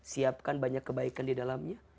siapkan banyak kebaikan di dalamnya